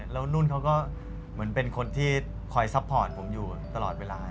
แล้วนุ่นเขาก็เหมือนเป็นคนที่คอยซัพพอร์ตผมอยู่ตลอดเวลา